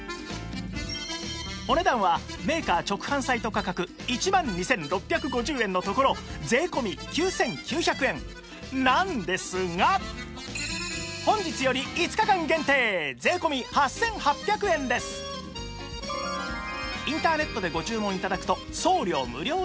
お値段はメーカー直販サイト価格１万２６５０円のところ税込９９００円なんですが本日より５日間限定税込８８００円ですなんかよくこう。